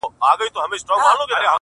• هغه خو زما کره په شپه راغلې نه ده؛